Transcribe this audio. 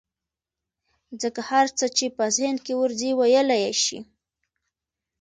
ځکه هر څه چې په ذهن کې ورځي ويلى يې شي.